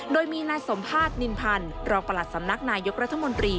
โดยมีนายสมภาษณ์นินพันธ์รองประหลัดสำนักนายกรัฐมนตรี